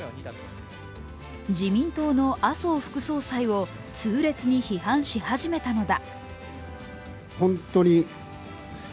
自民党の麻生副総裁を痛烈に批判し始めたのだ。